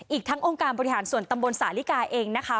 อีกทั้งองค์การบริหารส่วนตำบลสาลิกาเองนะคะ